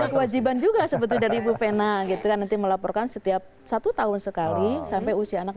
ada kewajiban juga seperti dari ibu vena gitu kan nanti melaporkan setiap satu tahun sekali sampai usia anak